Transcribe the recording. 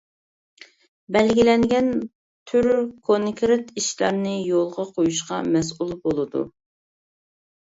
بەلگىلەنگەن تۈر كونكرېت ئىشلارنى يولغا قويۇشقا مەسئۇل بولىدۇ.